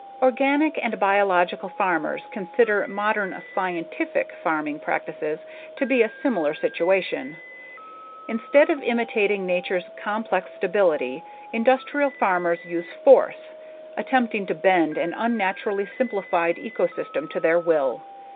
Organic and biological farmers consider modern "scientific" farming practices to be a similar situation. Instead of imitating nature's complex stability, industrial farmers use force, attempting to bend an unnaturally simplified ecosystem to their will.